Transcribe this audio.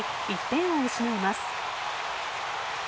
１点を失います。